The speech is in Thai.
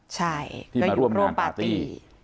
ใช่ก็อยู่ร่วมปาร์ตี้